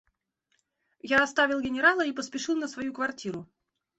Я оставил генерала и поспешил на свою квартиру.